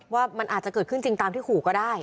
ว่ามันอาจจะเกิดขึ้นจริงตามที่ขู่ก็ได้